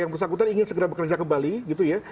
yang bersangkutan ingin segera bekerja kembali gitu ya